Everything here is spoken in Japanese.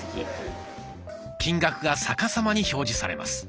金額が逆さまに表示されます。